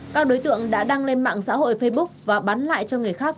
các đối tượng đã đăng lên mạng xã hội facebook và bán lại cho người khác